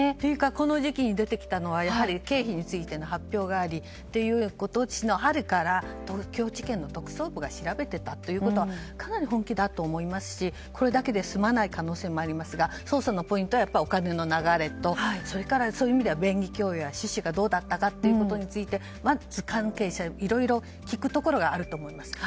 この時期に出てきたのは経費についての発表があり今年の春から東京地検特捜部が調べてたということはかなり本気だと思いますしこれだけで済まない可能性もありますが捜査のポイントはお金の流れとそれから、便宜供与や趣旨がどうだったかについてまずは関係者などいろいろと聞くところがあると思います。